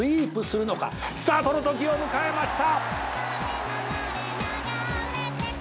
「スタートのときを迎えました！」